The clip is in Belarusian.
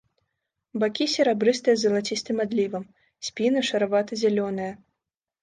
Бакі серабрыстыя з залацістым адлівам, спіна шаравата-зялёная.